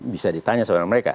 bisa ditanya sama mereka